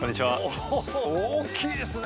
おー大きいですね！